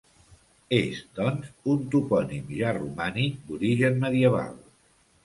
És, doncs, un topònim ja romànic, d'origen medieval.